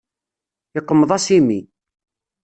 Yeqmeḍ-as imi.